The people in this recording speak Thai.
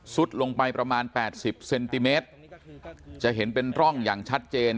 ลงไปประมาณแปดสิบเซนติเมตรจะเห็นเป็นร่องอย่างชัดเจน